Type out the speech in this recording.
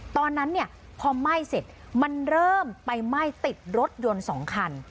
ตอนนั้นเนี่ยพอไหม้เสร็จมันเริ่มไปไหม้ติดรถยนต์๒คัน